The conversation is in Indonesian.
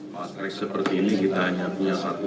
matrik seperti ini kita hanya punya satu